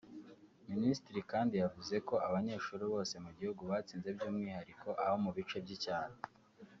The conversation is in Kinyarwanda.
Minisitiri kandi yavuze ko abanyeshuri bose mu gihugu batsinze by’umwihariko abo mu bice by’icyaro